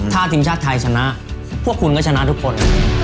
ถ้าทีมชาติไทยชนะพวกคุณก็ชนะทุกคน